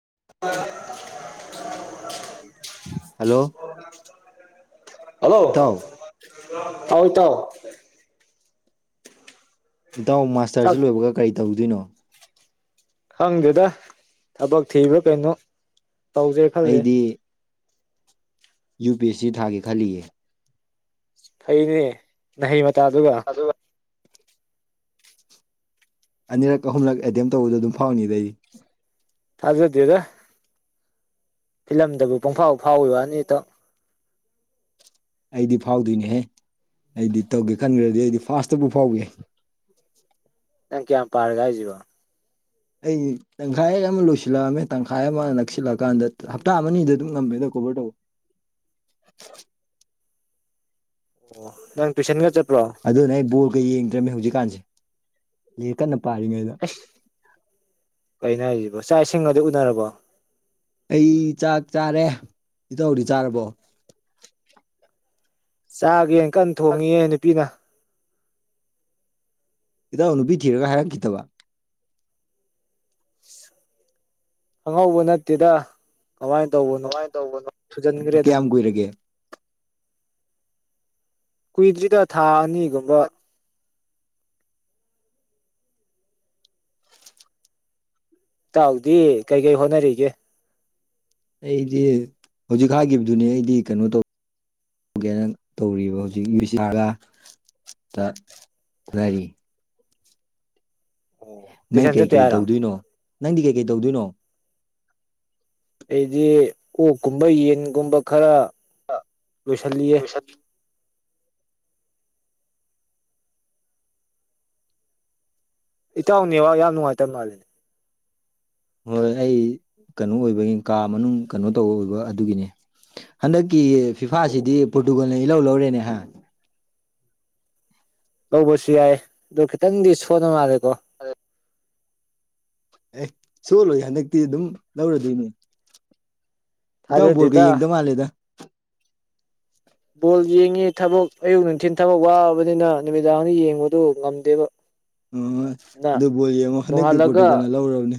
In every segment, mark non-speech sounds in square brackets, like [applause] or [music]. [inaudible] Hello ꯏꯇꯥꯎ ꯍꯣꯏ ꯇꯣ ꯏꯟꯇꯥꯎ ꯆꯥꯛ ꯃꯥꯁꯇꯔꯁꯤ ꯂꯣꯏꯕꯒ ꯀꯔꯤ ꯇꯧꯗꯣꯏꯅꯣ ꯈꯪꯗꯦꯗ ꯊꯕꯛ ꯊꯤꯕ꯭ꯔꯥ ꯀꯩꯅꯣ ꯇꯧꯁꯦ ꯈꯜꯂꯦ ꯑꯩꯗꯤ ꯌꯨ ꯄꯤ ꯑꯦꯁ ꯁꯤ ꯊꯥꯒꯦ ꯈꯜꯂꯤꯌꯦ ꯐꯩꯅꯦ ꯃꯍꯍꯩ ꯃꯇꯥꯗꯨꯒ ꯑꯅꯤꯔꯛ ꯑꯍꯨꯝꯂꯛ ꯑꯦꯇꯦꯝ ꯇꯧꯕꯗꯣ ꯑꯗꯨꯝ ꯐꯥꯎꯅꯤꯗꯩ ꯇꯥꯖꯗꯤꯗ ꯐꯤꯂꯝꯗꯕꯨ ꯄꯨꯡꯐꯥꯎ ꯐꯥꯎꯏꯤ ꯋꯥꯅꯤꯇ ꯑꯩꯗꯤ ꯐꯥꯎꯗꯣꯏꯅꯦꯍꯦ ꯑꯩꯗꯤ ꯇꯧꯒꯦ ꯈꯟꯈ꯭ꯔꯗꯤ ꯑꯩꯗꯤ ꯐꯥꯥꯁꯇꯕꯨ ꯐꯥꯎꯒꯦ [inaudible] ꯑ ꯀꯌꯥ ꯄꯔꯒ ꯍꯥꯏꯖꯕ ꯑꯩ ꯇꯪꯈꯥꯏ ꯑꯃ ꯂꯣꯏꯁꯤꯜꯂꯛꯑꯝꯃꯦ ꯇꯪꯈꯥꯏ ꯑꯃ ꯅꯛꯁꯤꯜꯂꯛꯑꯀꯥꯟꯗ ꯍꯞꯇꯥ ꯑꯅꯤꯗ ꯑꯗꯨꯝ ꯉꯝꯃꯦꯗꯣ ꯀꯕ ꯇꯕꯨ ꯑꯣ ꯅꯪ ꯇꯌꯨꯁꯟꯒ ꯆ ꯑꯗꯨꯅ ꯑꯩ ꯕꯣꯔꯒ ꯌꯦꯡꯗ꯭ꯔꯃꯦ ꯍꯧꯖꯤꯛꯀꯥꯟꯁꯦ ꯀꯟꯅ ꯄꯥꯔꯉꯩꯗ ꯀꯩꯅ ꯍꯥꯏꯁꯤꯕꯣ ꯆꯥꯛ ꯏꯁꯤꯡꯒꯗꯤ ꯎꯅꯔꯕꯣ ꯑꯩ ꯆꯥꯛ ꯆꯥꯔꯦ ꯏ ꯇꯧꯗꯤ ꯆꯥꯔꯕꯣ ꯆꯥꯒꯦ ꯀꯟꯅ ꯊꯣꯡꯉꯌꯦꯦ ꯅꯨꯄꯤꯅ ꯏꯇꯎ ꯅꯨꯨꯄꯤ ꯊꯤꯔꯒ ꯍꯥꯏꯔꯝꯈꯤꯗꯕ ꯍꯪꯉꯧꯕ ꯅꯠꯇꯦꯗ ꯀꯃꯥꯏꯅ ꯇꯧꯕꯅꯣ ꯀꯃꯥꯏꯅ ꯇꯧꯕꯅꯣ? ꯊꯨꯖꯟꯈ꯭ꯔꯦꯗ ꯀꯌꯥꯝ ꯀꯨꯏꯔꯒꯦ ꯀꯨꯏꯗ꯭ꯔꯤꯗ ꯊꯥ ꯑꯅꯤꯒꯨꯝꯕ ꯇꯥꯎꯗꯤ ꯀꯩ ꯀꯩ ꯍꯣꯠꯅꯔꯤꯒꯦ ꯑꯩꯗꯤ ꯍꯧꯖꯤꯛ ꯍꯥꯏꯈꯤꯕꯗꯨꯅꯦ ꯑꯩꯗꯤ ꯀꯩꯅꯣ ꯇꯧ ꯀꯦꯅ ꯇꯧꯔꯤꯕ ꯍꯧꯖꯤꯛ ꯌꯨ ꯁꯤ ꯑꯥꯔꯒ ꯇ ꯉꯔꯤ ꯅꯪ ꯇꯨꯏꯁꯟ ꯆꯠꯇꯦ ꯀꯩꯀꯩ ꯍꯥꯏꯔꯣ ꯇꯧꯗꯣꯏꯅꯣ ꯅꯪꯗꯤ ꯀꯩꯀꯩ ꯇꯧꯗꯣꯏꯅꯣ ꯑꯩꯗꯤ ꯑꯣꯛꯀꯨꯝꯕ ꯌꯦꯟꯒꯨꯝꯕ ꯈꯔ ꯄꯣꯏꯁꯜꯂꯦ ꯏ ꯇꯥꯎꯅꯤ ꯋꯥ ꯌꯥꯝ ꯅꯨꯡꯉꯥꯏ ꯇ ꯃꯥꯗꯅꯦ ꯍꯣꯏ ꯑꯩ ꯀꯩꯅꯣ ꯑꯣꯏꯕꯒꯤ ꯀꯥ ꯃꯅꯨꯡ ꯀꯩꯅꯣ ꯇꯧꯕ ꯑꯣꯏꯕ ꯑꯗꯨꯒꯤꯅꯤ ꯍꯟꯗꯛ ꯀ ꯐꯤꯐꯥꯁꯤꯗꯤ ꯑꯣ ꯄꯣꯔꯇꯨꯒꯜꯅ ꯏꯜꯍꯧ ꯂꯧꯔꯦꯅꯦ ꯍꯥꯏ ꯍꯧꯕꯁꯨ ꯌꯥꯏ ꯑꯗꯣ ꯈꯤꯇꯪꯗꯤ ꯁꯣꯟꯅ ꯃꯥꯜꯂꯦꯀꯣ ꯑꯦ ꯁꯣꯜꯂꯣꯏ ꯍꯟꯗꯛꯇꯤ ꯑꯗꯨꯝ ꯂꯧꯔꯗꯣꯏꯅꯦ ꯈꯤꯇꯥꯎ ꯕꯣꯣꯔꯒ ꯊꯥꯖꯗꯦꯗ ꯌꯦꯡꯗꯧ ꯃꯥꯜꯂꯦꯗ ꯕꯣꯜ ꯌꯦꯡꯉꯤ ꯊꯕꯛ ꯑꯌꯨꯛ ꯅꯨꯡꯊꯤꯜ ꯊꯕꯛ ꯋꯥꯕꯅꯤꯅ ꯅꯨꯃꯤꯗꯥꯡꯅꯤ ꯌꯦꯡꯕꯗꯨ ꯉꯝꯗꯦꯕ ꯑ ꯑꯗꯨꯅ ꯑꯗꯨ ꯕꯣꯂꯤ ꯑꯃꯨꯛ ꯍꯟꯗꯛꯇꯤ ꯅꯣꯡꯉꯥꯜꯂꯒ ꯄꯣꯔꯇꯨꯀꯜꯅ ꯂꯧꯔꯕꯅꯦ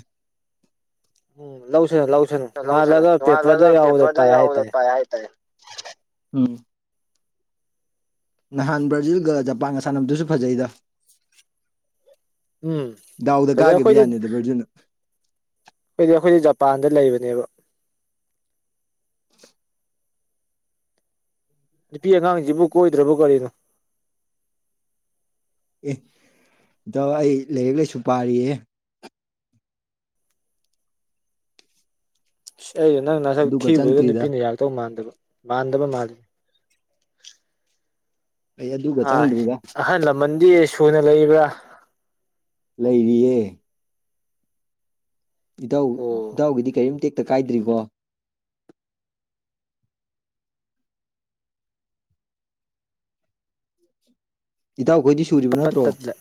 ꯎꯝ ꯂꯧꯁꯅꯨ ꯂꯧꯁꯅꯨ ꯂꯧꯁꯅꯨ ꯅꯉꯜꯂꯒ ꯄꯦꯄꯔꯗ ꯅꯣꯡꯉꯥꯜꯂꯒ ꯌꯥꯎꯗ ꯄꯦꯄꯔꯗ ꯄꯥꯏ ꯍꯥꯏ ꯌꯥꯎꯕꯗꯣ ꯇꯔꯦ ꯄꯥꯏ ꯍꯥꯏꯇꯥꯔꯦ ꯎꯝ ꯅꯍꯥꯟ ꯕ꯭ꯔꯥꯖꯤꯜꯒ ꯖꯄꯥꯟꯒ ꯁꯥꯟꯅꯕꯗꯨꯁꯨ ꯐꯖꯩꯗ ꯎꯝ ꯗꯥꯎꯗ ꯐꯖꯩ ꯀꯥꯈꯤꯕ ꯌꯥꯅꯤꯗ ꯕꯔꯖꯨꯅ ꯑꯩꯣꯏꯗꯤ ꯑꯩꯈꯣꯏꯗꯤ ꯖꯄꯥꯟꯗ ꯂꯩꯕꯅꯦꯕ ꯅꯨꯄꯤ ꯑꯉꯥꯡꯁꯤꯕꯨ ꯀꯣꯏꯗ꯭ꯔꯕꯨ ꯀꯔꯤꯅꯣ ꯑꯦ ꯏꯇꯧ ꯑꯩ ꯂꯥꯏꯔꯤꯛ ꯂꯥꯏꯁꯨ ꯄꯥꯔꯤꯌꯦ ꯑꯩꯁꯨꯣ ꯅꯪ ꯅꯁꯛ ꯑꯗꯨꯒ ꯊꯤꯕꯗꯨꯗ ꯆꯪꯗ꯭ꯔꯤꯗ ꯅꯨꯄꯤꯅ ꯌꯥꯔꯛꯇꯧ ꯃꯥꯟꯗꯕ ꯃꯥꯟꯗꯕ ꯃꯥꯜꯜꯂꯤꯦ ꯑꯩ ꯑꯗꯨꯒ ꯑ ꯆꯪꯗ꯭ꯔꯤꯗ ꯑꯍꯜ ꯂꯃꯟꯗꯤ ꯁꯨꯅ ꯂꯩꯕ꯭ꯔꯥ ꯂꯩꯔꯤꯌꯦ ꯏꯙꯧ ꯑꯣ ꯏꯙꯧꯒꯤꯗꯤ ꯀꯔꯤꯝ ꯇꯦꯛꯇ ꯀꯥꯏꯗ꯭ꯔꯤꯀꯣ ꯏꯇꯥꯎꯈꯣꯏꯗꯤ ꯁꯨꯔꯤꯕ ꯄ ꯅꯠꯇ꯭ꯔꯣ ꯇꯠꯂ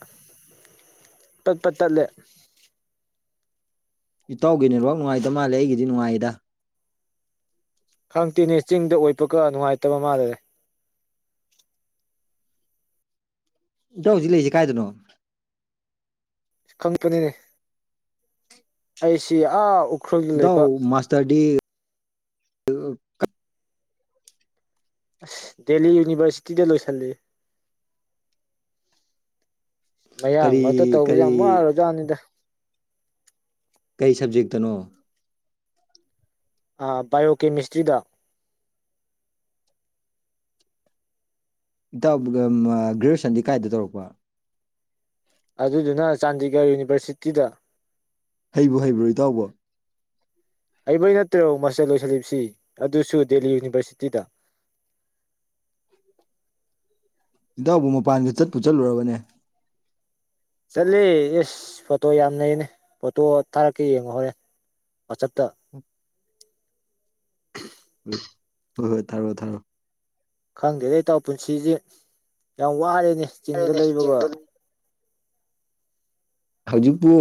ꯄꯄꯇꯂ ꯏꯇꯥꯎꯒꯤ ꯅꯦꯠꯋꯥꯛ ꯅꯨꯡꯉꯥꯏꯇ ꯃꯥꯜꯂꯦ ꯑꯩꯒꯤꯗꯤ ꯅꯨꯡꯉꯥꯏꯌꯦꯗ ꯈꯪꯗꯦꯅꯦ ꯆꯤꯡꯗ ꯑꯣꯏꯕꯒ ꯅꯨꯡꯉꯥꯏꯇꯕ ꯃꯥꯜꯂꯦ ꯌꯥꯧꯁꯤꯛ ꯂꯩꯔꯤꯁꯤꯦ ꯀꯥꯏꯗꯅꯣ ꯈꯪꯄꯅꯤꯅꯦ ꯑꯩꯁꯤ ꯑꯥ ꯎꯈ꯭ꯔꯨꯜꯗ ꯗꯣ ꯂꯩꯕ ꯃꯥꯁꯇꯔꯗꯤ ꯗꯦꯜꯂꯤ ꯌꯨꯅꯤꯚꯔꯁꯤꯇꯤꯗ ꯂꯣꯏ ꯆꯂꯤ ꯃꯌꯥꯡ ꯀꯔꯤ ꯃꯔꯛꯇ ꯇꯧꯕꯁ ꯀꯔꯤ ꯌꯥꯝꯃꯣ ꯍꯥꯏꯔꯣꯖꯅꯤꯗ ꯀꯩ ꯁꯕꯖꯦꯛꯇꯅꯣ ꯑꯥ ꯕꯥꯏꯑꯣ ꯀꯦꯃꯤꯁꯇ꯭ꯔꯤꯗ ꯏꯇ ꯒ꯭ꯔꯦꯖꯨꯋꯦꯁꯟꯗꯤ ꯀꯥꯏꯗ ꯇꯧꯔꯛꯄ ꯑꯗꯨꯗꯨꯅ ꯆꯥꯟꯗꯤꯒꯔ ꯌꯨꯅꯤꯚꯔꯁꯤꯇꯤꯗ ꯍꯩꯕꯨ ꯍꯩꯕ꯭ꯔꯣꯏ ꯇꯥꯎꯕ ꯑꯩꯕꯩ ꯅꯠꯇ꯭ꯔꯣ ꯃꯥꯁꯇꯔ ꯂꯣꯏꯁꯤꯜꯂꯤꯕꯁꯤ ꯑꯗꯨꯁꯨ ꯗꯦꯜꯂꯤ ꯌꯨꯅꯤꯚꯔꯁꯤꯇꯤꯗ ꯎꯝ ꯏꯇꯎꯕꯨ ꯃꯄꯥꯟꯒꯤ ꯆꯠꯄꯨ ꯆꯠꯂꯨꯔꯕꯅꯦ ꯆꯠꯂꯤ ꯑꯦꯁ ꯐꯣꯇꯣ ꯌꯥꯝ ꯂꯩꯅꯦ ꯐꯣꯇꯣ ꯊꯥꯔꯛꯀꯦ ꯌꯦꯡꯉꯣ ꯍꯧꯣꯔꯦ ꯄ ꯆꯞꯇ ꯍꯣꯏ ꯍꯣꯏ ꯊꯥꯔꯣꯑꯣ ꯊꯥꯔꯣꯑꯣ ꯈꯪꯗꯦ ꯂꯩꯇꯥꯎ ꯄꯨꯟꯁꯤꯁꯤ ꯌꯥꯝ ꯋꯥꯔꯦꯅꯦ ꯆꯤꯡꯗ ꯂꯩꯕꯒ ꯍꯧꯖꯤꯛꯕꯨ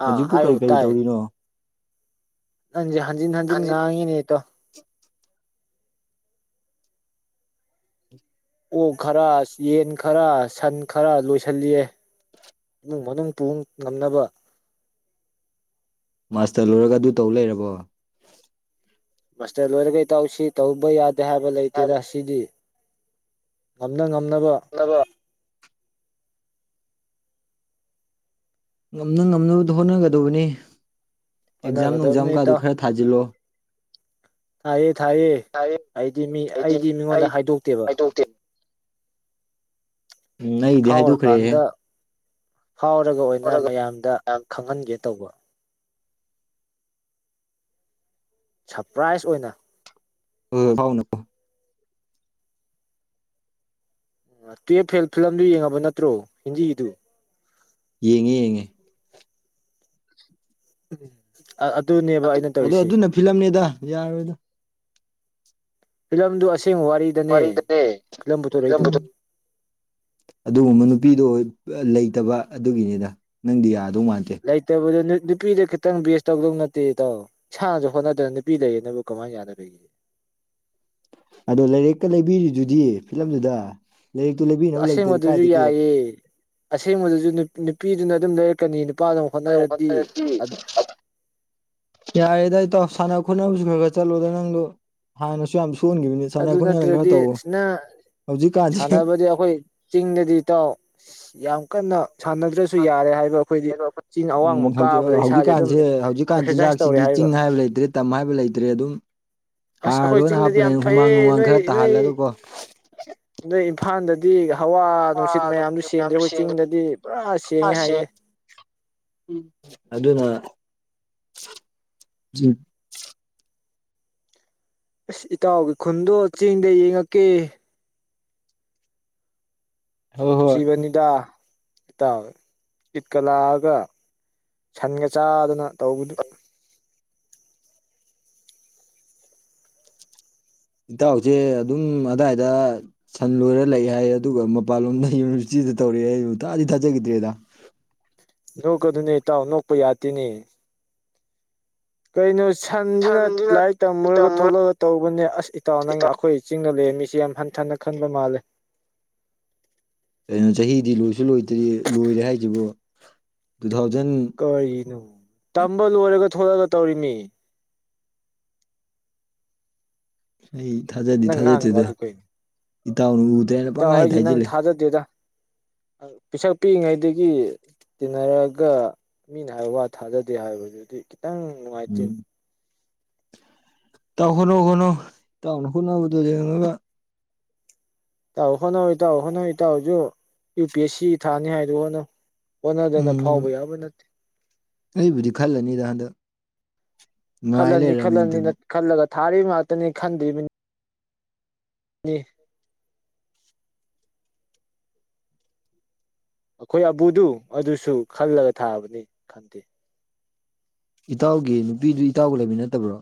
ꯑꯥ ꯍꯧꯖꯤꯛꯄꯨ ꯀꯔꯤ ꯀꯔꯤ ꯇꯧꯔꯤꯅꯣ ꯅꯪꯖꯤ ꯍꯟꯖꯤꯤꯟ ꯍꯟꯖꯤꯤꯟ ꯍꯟꯖꯤꯟ ꯉꯥꯡꯉꯅꯤꯇꯣ ꯑꯣꯛ ꯈꯔ ꯌꯦꯟ ꯈꯔ ꯁꯟ ꯈꯔ ꯂꯣꯏꯁꯤꯜꯂꯤꯌꯦ ꯏꯃꯨꯡ ꯃꯅꯨꯡ ꯄꯨ ꯉꯝꯅꯕ [inaudible] ꯑꯁꯇꯂꯨꯔꯒ ꯑꯗꯨ ꯇꯧ ꯂꯩꯔꯕꯣ ꯃꯁꯇꯔ ꯂꯣꯏꯔꯒꯩ ꯇꯧꯁꯤ ꯇꯧꯕ ꯌꯥꯗꯦ ꯍꯥꯏꯕ ꯂꯩꯇꯦꯅ ꯁꯤꯅꯤ ꯉꯝꯅ ꯉꯝꯅꯕ ꯉꯝꯅ ꯉꯝꯅꯕꯗꯣ ꯍꯣꯠꯅꯒꯗꯧꯕꯅꯤ ꯑꯦꯛꯖꯥꯝ ꯅꯨꯡꯖꯥꯝ ꯍꯣꯠꯅꯒꯗꯕꯅꯤ ꯀꯥꯗꯨ ꯏꯇꯥꯎ ꯈꯔ ꯊꯥꯖꯤꯜꯂꯣ ꯊꯥꯏꯌꯦ ꯊꯥꯏꯌꯦ ꯑꯩꯗꯤ ꯃꯤ ꯑꯩꯗꯤ ꯃꯤꯉꯣꯟꯗ ꯍꯥꯏꯗꯣꯛꯇꯦꯕ ꯍꯥꯏꯗꯣꯛꯇꯦ ꯅꯗꯦꯍꯏꯗꯨꯈꯔꯦꯍꯦ ꯐꯥꯎꯔꯀꯥꯟꯗ ꯐꯥꯎꯔꯒ ꯑꯣꯏꯅ ꯃꯌꯥꯝꯗ ꯈꯪꯍꯟꯒꯦ ꯇꯧꯕ ꯁꯔꯄ꯭ꯔꯥꯏꯖ ꯑꯣꯏꯅ ꯍ ꯐꯥꯎꯅ ꯎ ꯇꯦ ꯐꯦꯜ ꯐꯤꯂꯝꯗꯨ ꯌꯦꯡꯉꯕ ꯅꯠꯇ꯭ꯔꯣ ꯍꯤꯟꯗꯤꯒꯤꯗꯨ ꯌꯦꯡꯉꯦ ꯌꯦꯡꯉꯦ ꯎꯝ ꯑ ꯑꯗꯨꯅ ꯐꯤꯂꯝꯅꯦꯗ ꯌꯥꯔꯣꯏꯗ ꯁꯤꯝ ꯄꯨꯊꯣꯔꯛꯏꯗꯨ ꯑꯗꯨꯒꯨꯝꯕ ꯅꯨꯄꯤꯗꯣ ꯂꯩꯇꯕ ꯑꯗꯨꯒꯤꯅꯤꯗ ꯅꯪꯗꯤ ꯌꯥ ꯂ ꯂꯩ ꯇꯕ ꯅꯨꯄꯤꯗ ꯈꯤꯇꯪ ꯕꯦꯁ ꯇꯧꯗꯧ ꯅꯠꯇꯦ ꯇꯧ ꯏꯁꯁꯨ ꯍꯣꯠꯅꯗꯅ ꯅꯨꯄꯤ ꯂꯩꯌꯦꯅꯕꯨ ꯀꯃꯥꯏꯅ ꯌꯥꯗꯒꯦ ꯑꯗꯣ ꯂꯥꯏꯔꯛꯀ ꯂꯩꯕꯤꯔꯤꯗꯨꯗꯤ ꯐꯤꯂꯝꯗꯨꯗ ꯂꯥꯏꯔꯤꯛꯇꯨ ꯑ ꯂꯩꯕꯤꯅꯕ ꯂꯩꯇꯗꯤ ꯑꯁꯦꯡꯕꯗꯨꯁꯨ ꯀꯥꯏꯗꯒꯤ ꯌꯥꯏꯌꯦ ꯑꯁꯦꯡꯕꯗꯨꯁꯨ ꯅꯨꯄꯤꯗꯨꯅ ꯑꯗꯨꯝ ꯂꯩꯔꯛꯀꯅꯤ ꯅꯨꯄꯥꯗꯨꯅ ꯍꯣꯠꯅꯔꯗꯤ ꯌꯥꯗ ꯇꯣꯐ ꯁꯅ ꯍꯣꯠꯅꯕꯁꯨ ꯈꯔ ꯈꯔ ꯆꯠꯂꯣꯗ ꯅꯪꯗꯣ ꯍꯥꯟꯅꯁꯨ ꯌꯥꯝ ꯁꯣꯟꯈꯤꯕꯅꯤ ꯁꯥꯟꯅ ꯑꯗꯨ ꯈꯣꯠꯅꯅ ꯈꯔ ꯅꯠꯇ꯭ꯔꯗꯤ ꯇꯧꯋꯣ ꯏꯁꯅ ꯍꯧꯖꯤꯛꯀꯥꯟꯁꯦ ꯁꯥꯟꯅꯕꯗꯤ ꯑꯩꯈꯣꯏ ꯆꯤꯡꯗꯗꯤ ꯇꯥꯎ ꯌꯥꯝ ꯀꯟꯅ ꯁꯥꯟꯅꯗ꯭ꯔꯁꯨ ꯌꯥꯔꯦ ꯍꯥꯏꯕ ꯑꯩꯈꯣꯏꯗꯤ ꯆꯤꯡ ꯑꯋꯥꯡꯕ ꯎꯝ ꯀꯥꯕꯗ ꯏꯁꯥꯥꯁ ꯑꯗꯨꯝ ꯑꯦꯛꯁꯔꯁꯥꯏ ꯆꯥꯛꯁꯤꯗꯤ ꯆꯤꯡ ꯍꯥꯏꯕ ꯂꯩꯇ꯭ꯔꯦ ꯇꯝ ꯍꯥꯏꯕ ꯂꯩꯇ꯭ꯔꯦ ꯑꯗꯨꯝ ꯑꯁ ꯍꯥꯔ ꯑꯩꯈꯣꯏ ꯂꯣꯏꯅ ꯆꯤꯡꯗꯗꯤ ꯌꯥꯝ ꯍꯥꯞꯄꯅꯦꯅ ꯍꯨꯃꯥꯡ ꯐꯩꯌꯦ ꯅꯨꯡꯃꯥꯡ ꯅꯣꯏ ꯈꯔ ꯅꯣꯏ ꯇꯥꯍꯜꯂꯒꯀꯣ ꯅꯣꯏ ꯏꯝꯐꯥꯜꯗꯗꯤ ꯗꯤ ꯍꯋꯥ ꯅꯨꯡꯁꯤꯠ ꯃꯌꯥꯝꯗꯨ ꯁꯦꯡꯗ꯭ꯔꯦ ꯑꯩꯈꯣꯏ ꯆꯤꯡꯗꯗꯤ ꯄꯨꯔꯥ ꯁꯦꯡꯉꯦ ꯍꯥꯏꯗꯤ ꯑꯗꯨꯅ ꯎꯝ ꯑꯁ ꯏꯇꯥꯎꯒꯤ ꯈꯨꯟꯗꯣ ꯆꯦꯡꯗ ꯌꯦꯡꯉꯛꯀꯦ ꯍꯣꯏ ꯍꯣꯏ ꯅꯨꯡꯁꯤꯕꯅꯤꯗꯇ ꯆꯤꯠꯀ ꯂꯥꯛꯑꯒ ꯁꯟꯒ ꯆꯥꯗꯅ ꯇꯧꯕꯗꯨ ꯏꯇꯥꯎꯁꯦ ꯑꯗꯨꯝ ꯑꯗꯥꯋꯥꯏꯗ ꯁꯟ ꯂꯣꯏꯔ ꯂꯩ ꯍꯥꯏ ꯑꯗꯨꯒ ꯃꯄꯥꯟꯂꯣꯝꯗ ꯌꯨꯅꯤꯁꯤꯤ ꯇꯧꯔꯦ ꯑꯩꯨ ꯇꯗꯤ ꯊꯥꯖꯈꯤꯗ꯭ꯔꯦꯗ ꯅꯣꯛꯀꯗꯨꯅꯦ ꯏꯇꯥꯎ ꯅꯣꯛꯄ ꯌꯥꯗꯦꯅꯦ ꯀꯩꯅꯣ ꯁꯟꯁꯤꯅ ꯂꯥꯏꯔꯤꯛ ꯇꯝꯃꯨꯔꯒ ꯇꯝꯃꯣ ꯊꯣꯛꯂꯒ ꯇꯧꯕꯅꯦ ꯑꯁ ꯏꯇꯥꯎ ꯅꯪ ꯑꯩꯈꯣꯏ ꯏ ꯆꯤꯡꯅ ꯂꯩꯦ ꯃꯤꯁꯦ ꯌꯥꯝ ꯍꯟꯊꯅ ꯈꯟꯕ ꯃꯥꯜꯂꯦ ꯀꯩꯅꯣ ꯆꯍꯤꯗꯤ ꯂꯣꯏꯁꯨ ꯂꯣꯏꯇ꯭ꯔꯤ ꯂꯣꯏꯔꯦ ꯍꯥꯏꯁꯤꯕꯨ ꯇꯨ ꯊꯥꯎꯖꯟ ꯀꯔꯤꯅꯣ ꯇꯝꯕ ꯂꯣꯏꯔꯒ ꯊꯂꯛꯒ ꯇꯧꯔꯤꯃꯤ ꯑꯩ ꯊꯥꯖꯗꯤ ꯅꯪ ꯉꯥꯡꯉꯤ ꯊꯥꯖꯗꯦꯗ ꯋꯥꯗꯨ ꯀꯩꯅꯣ ꯏꯇꯥꯎꯅ ꯎꯗ꯭ꯔꯦꯅ ꯏꯇꯥꯎ ꯄꯪꯉꯥꯏꯗ ꯍꯥꯏꯖꯤꯜꯂꯦ [inaudible] ꯄꯩꯤꯁꯛ ꯄꯤꯛꯏꯉꯩꯗꯒꯤ ꯇꯤꯟꯅꯔꯑꯒ ꯃꯤꯅ ꯍꯥꯏꯕ ꯋꯥ ꯊꯥꯖꯗꯦ ꯍꯥꯏꯕꯗꯨꯗꯤ ꯪꯅꯨꯡꯉꯥꯏꯇ ꯇꯥꯎꯈꯣꯅꯣ ꯈꯨꯠꯅꯣ ꯇꯥꯎꯅ ꯈꯣꯠꯅꯕꯗꯨꯣꯕ ꯇꯥꯛꯑꯣ ꯍꯣꯠꯅꯧꯏ ꯏ ꯇꯥꯎꯑꯣꯣ ꯍꯣꯠꯅꯧꯏ ꯏ ꯇꯥꯎꯑꯣꯁꯨ ꯌꯨ ꯄꯤ ꯑꯦꯁ ꯁꯤ ꯊꯥꯅꯤ ꯍꯥꯏꯗꯨ ꯍꯣꯠꯅꯧ ꯍꯣꯠꯅꯗꯅ ꯎꯝ ꯐꯥꯎꯕ ꯌꯥꯕ ꯅꯠꯇꯦ ꯑꯩꯕꯨꯗꯤ ꯈꯜꯂꯅꯤꯗ ꯍꯟꯗꯛ ꯉꯥꯏ ꯈꯜꯂꯅꯤ ꯂꯩꯔꯝꯃꯤ ꯈꯜꯂꯅꯤ ꯑꯗꯨꯝ ꯈꯜꯂꯒ ꯊꯥꯔꯤꯕ ꯉꯥꯛꯇꯅꯤ ꯈꯟꯗ꯭ꯔꯤꯕꯅꯤ ꯎ ꯑꯩꯈꯣꯏ ꯑꯕꯨꯗꯨ ꯑꯗꯨꯁꯨ ꯈꯜꯂꯒ ꯊꯥꯕꯅꯤ ꯈꯟꯗꯦ ꯏꯇꯥꯎꯒꯤ ꯅꯨꯄꯤꯗꯨ ꯏꯇꯥꯎꯒ ꯂꯩꯕꯤ ꯅꯠꯇꯕ꯭ꯔꯣ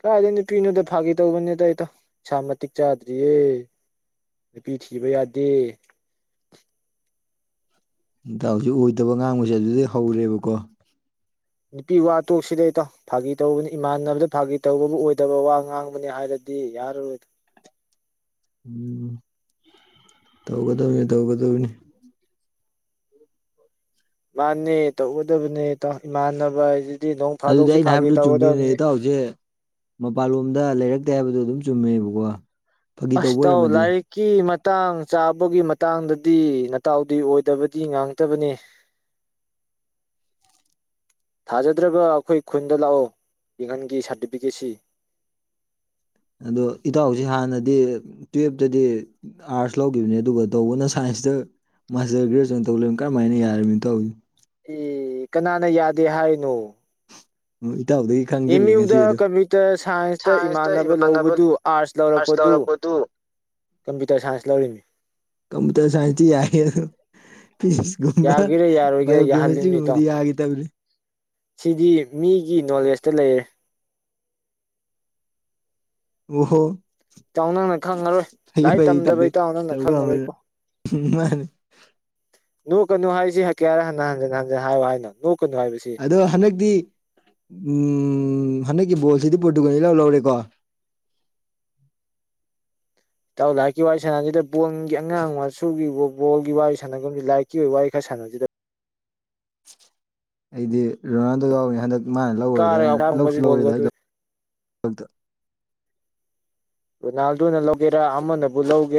ꯀꯥꯏꯗ ꯅꯨꯄꯤꯅꯣꯗ ꯐꯥꯒꯦ ꯇꯧꯕꯅꯤꯗ ꯑꯩꯇ ꯁꯥ ꯃꯇꯤꯛ ꯆꯥꯗ꯭ꯔꯤꯌꯦ ꯐꯤ ꯊꯤ ꯋꯥ ꯌꯥꯗ ꯇ ꯍꯧꯖꯤꯛ ꯑꯣꯏꯗꯕ ꯉꯥꯡꯕꯁꯦ ꯑꯗꯨꯩ ꯍꯧꯔꯦꯕꯀꯣ ꯅꯨꯄꯤ ꯋꯥ ꯇꯣꯛꯁꯤꯗꯩꯇꯣ ꯐꯥꯒꯤ ꯇꯧꯕꯅꯤ ꯏꯃꯥꯟꯅꯕꯗ ꯐꯥꯒꯤ ꯇꯧꯕꯕꯨ ꯑꯣꯏꯗꯕ ꯋꯥ ꯉꯥꯡꯕꯅꯤ ꯍꯥꯏꯔꯗꯤ ꯗꯤ ꯌꯥꯔ ꯑꯣꯏꯣꯏ ꯎꯝ ꯇꯧꯒꯗꯧꯅꯤ ꯇꯧꯒꯗꯧꯅꯤ ꯃꯥꯅꯦ ꯇꯧꯒꯗꯕꯅꯤ ꯃꯥꯟꯅꯕ ꯍꯥꯏ ꯅꯣꯡ ꯑꯗꯨꯗꯤ ꯐꯥꯗꯣꯛꯁꯨ ꯑꯩꯅ ꯐꯥꯒꯤ ꯍꯥꯏꯕꯗꯨ ꯆꯨꯝꯗꯣꯏꯅꯦ ꯏꯇꯥꯎꯁꯦ ꯃꯄꯥꯟꯂꯣꯝꯗ ꯂꯩꯔꯛ ꯇꯦ ꯍꯥꯏꯕꯗꯣ ꯑꯗꯨꯝ ꯆꯨꯝꯃꯦꯕꯀꯣ ꯐꯥꯒꯤ ꯇꯧꯕ ꯑꯁꯥꯎ ꯑꯣꯏꯔꯝꯃꯗꯤ ꯂꯏꯀꯤ ꯃ ꯇꯥꯡ ꯆꯥꯕꯒꯤ ꯃꯇꯥꯡꯗꯗꯤ ꯇꯎꯗꯤ ꯑꯣꯏꯗꯕꯗꯤ ꯉꯥꯡꯇꯕꯅꯤ [inaudible] ꯊꯥꯖꯗ꯭ꯔꯕ ꯑꯩꯈꯣꯏ ꯈꯨꯟꯗ ꯂꯥꯛꯑꯣ ꯌꯦꯍꯟꯒꯤ ꯁꯥꯔꯇꯤꯐꯤꯀꯦꯠꯁꯤ [inaudible] ꯑꯗꯣ ꯏꯇꯥꯎꯁꯤ ꯍꯥꯟꯅꯗꯤ ꯇꯨꯌꯦꯜꯞꯇꯗꯤ ꯑꯥꯔꯠꯁ ꯂꯧꯈꯤꯕꯅꯦ ꯑꯗꯨꯒ ꯇꯧꯕꯅ ꯁꯥꯏꯟꯁ ꯃꯁꯤꯗ ꯃꯥꯁꯇꯔ ꯒ꯭ꯔꯦꯖꯨꯑꯦꯁꯟ ꯇꯧ ꯀꯔꯝꯍꯥꯏꯅ ꯌꯥꯔꯕꯃꯤꯅꯣ ꯇꯧꯋꯅꯤ ꯑꯦ ꯀꯅꯥꯅ ꯌꯥꯗꯦ ꯍꯥꯏꯅꯣ ꯍꯣꯏ ꯏꯇꯥꯎꯗꯒꯤ ꯑꯦꯝ ꯈꯪꯖꯤꯜꯂꯤ ꯉꯁꯤ ꯌꯨꯗ ꯑꯗꯨ ꯀꯝꯄ꯭ꯌꯨꯇꯔ ꯁꯥꯏꯟꯁꯇ ꯏꯃꯥꯟꯅꯕ ꯂꯧꯕꯗꯨ ꯑꯥꯔꯠꯁ ꯑꯥꯔꯁ ꯂꯧꯔꯛꯄꯗꯨ ꯎ ꯀꯝꯄ꯭ꯌꯨꯇꯔ ꯁꯥꯏꯟꯁ ꯂꯧꯔꯤꯃꯤ ꯀꯝꯄꯨꯇꯔ ꯁꯥꯏꯟꯁꯇꯤ ꯌꯥ ꯐꯤꯖꯤꯛꯁꯀꯨꯝꯕ ꯌꯥꯒꯦꯔꯥ ꯌꯥꯔꯣꯏꯒꯦꯔꯥ ꯕꯥꯏꯑꯣ ꯌꯥꯍꯜꯂꯤꯕꯅꯤ ꯏꯇꯥꯎ ꯀꯦꯃꯤꯁꯇ꯭ꯔꯤꯒꯨꯝꯕꯗꯤ ꯌꯥꯈꯤ ꯇꯕꯅꯤ ꯁꯤꯗꯤ ꯃꯤꯒꯤ ꯅꯣꯂꯦꯖꯇ ꯂꯩꯔꯦ ꯑꯣꯍꯣ ꯏꯇꯥꯎ ꯅꯪꯅ ꯈꯪꯉꯔꯣꯏ ꯑꯩ ꯂꯥꯏꯔꯤꯛ ꯐ ꯇ ꯇꯝꯗꯕ ꯏꯇꯥꯎ ꯅꯪꯅ ꯇ ꯈꯪꯉꯔꯣꯏꯀꯣ ꯃꯥꯅꯤ [inaudible] ꯨ ꯀꯅꯨ ꯍꯥꯏꯁꯤ ꯍꯥꯏ ꯀꯌꯥꯔ ꯍꯟ ꯍꯟꯖꯤꯟ ꯍꯟ ꯍꯥꯏ ꯍꯥꯏꯅꯣ ꯅꯣꯛꯀꯅꯨ ꯍꯥꯏꯕꯁꯤ ꯑꯗꯣ ꯍꯟꯗꯛꯇꯤ ꯎ ꯍꯟꯗꯛ ꯑꯩꯒꯤ ꯕꯣꯜꯁꯤꯗꯤ ꯠꯇꯨꯒꯗꯤ ꯂꯧ ꯂꯧꯔꯦꯀꯣ ꯇꯥꯎ ꯂꯥꯛꯀꯤ ꯋꯥꯔꯤꯏ ꯁꯅꯥꯁꯤꯗ ꯕꯣꯟꯒꯤ ꯑꯉꯥꯡ ꯃꯆꯨꯒꯤ ꯐꯨꯠꯕꯣꯜꯒꯤ ꯋꯥꯔꯤ ꯁꯥꯟꯅꯕꯒꯁꯤ ꯂꯥꯏꯔꯤꯛꯀꯤ ꯑꯣꯏ ꯋꯥꯔꯤ ꯈꯔꯥꯟꯅꯁꯤꯗ ꯑꯩꯗꯤ ꯔꯣꯅꯥꯜꯗꯣ ꯌꯥꯎꯏꯦ ꯍꯟꯗꯛ ꯃꯥꯅ ꯂꯧꯔꯗ ꯀꯥꯔꯒ ꯍꯥꯏꯩꯅ ꯂꯧꯁꯨ ꯑꯋꯥꯡꯕ ꯂꯧꯔꯦꯗ ꯕꯣꯜꯒꯗꯨ ꯑꯩ ꯔꯣꯅꯥꯜꯗꯣꯅ ꯂꯧꯒꯦꯔꯥ ꯑꯃꯅꯕꯨ ꯂꯧꯒꯦ